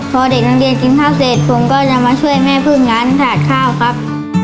พอเด็กนักเรียนกินข้าวเสร็จผมก็จะมาช่วยแม่พึ่งร้านถาดข้าวครับ